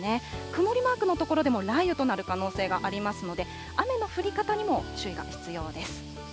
曇りマークの所でも雷雨となる可能性がありますので、雨の降り方にも注意が必要です。